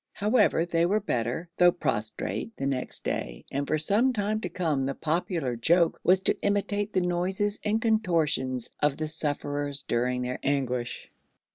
However, they were better, though prostrate, next day, and for some time to come the popular joke was to imitate the noises and contortions of the sufferers during their anguish.